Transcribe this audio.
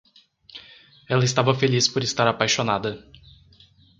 Ela estava feliz por estar apaixonada.